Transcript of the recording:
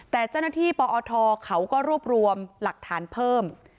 แต่เจ้าหน้าที่ปอทเขาก็รวบรวมหลักฐานเพิ่ม